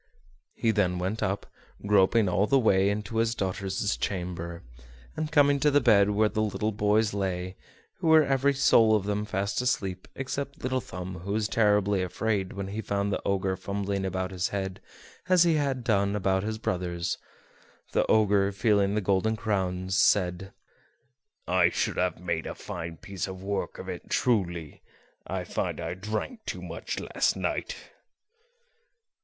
He then went up, groping all the way, into his daughters' chamber, and, coming to the bed where the little boys lay, and who were every soul of them fast asleep, except Little Thumb, who was terribly afraid when he found the Ogre fumbling about his head, as he had done about his brothers', the Ogre, feeling the golden crowns, said: "I should have made a fine piece of work of it, truly; I find I drank too much last night."